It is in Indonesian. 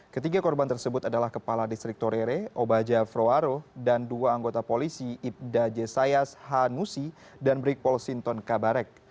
ketiga korban tersebut adalah kepala distrik torere obaja froaro dan dua anggota polisi ibda jesayas hanusi dan brikpol sinton kabarek